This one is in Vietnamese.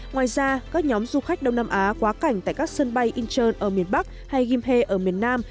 ngoài ra các nhóm du khách đông nam á quá cảnh tại các sân bay incheon ở miền bắc hay gimpe ở miền nam